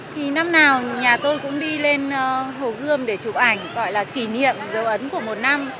thì năm nào nhà tôi cũng đi lên hồ gươm để chụp ảnh gọi là kỷ niệm dấu ấn của một năm